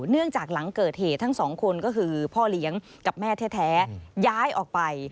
หลังจากหลังเกิดเหตุทั้งสองคนก็คือพ่อเลี้ยงกับแม่แท้ย้ายออกไป